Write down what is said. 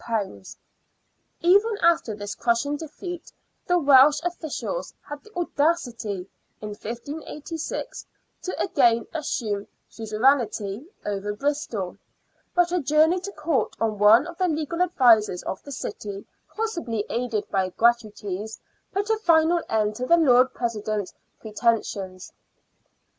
Even after this crushing defeat, the Welsh officials had the audacity in 1586 to again assume suzerainty over Bristol ; but a journey to Court of one of the legal advisers of the city, possibly aided by " gratuities," put a final end to the Lord President's pretensions.